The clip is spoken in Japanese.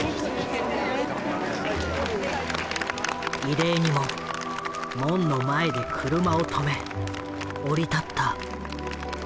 異例にも門の前で車を止め降り立った。